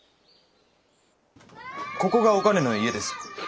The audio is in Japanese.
ここがお兼の家です。